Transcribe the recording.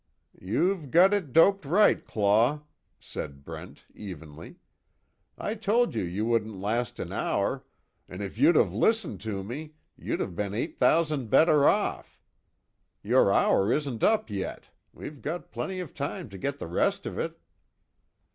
"You've got it doped right, Claw," said Brent, evenly. "I told you you wouldn't last an hour, and if you'd have listened to me you'd have been eight thousand better off. Your hour isn't up yet, we've got plenty of time to get the rest of it."